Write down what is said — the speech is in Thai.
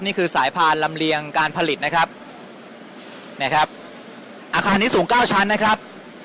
นี่คือสายพานลำเลียงการผลิตนะครับนะครับอาคารนี้สูงเก้าชั้นนะครับ